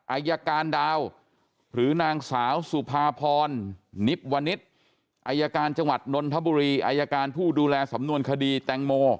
อายการดาวหรือนางสาวสุภาพรนิบวนิษฐ์อายการจังหวัดนนทบุรีอายการผู้ดูแลสำนวนคดีแตงโม